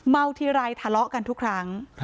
ทีไรทะเลาะกันทุกครั้ง